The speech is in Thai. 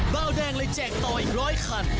เบาแดงเลยแจกต่ออีกร้อยคัน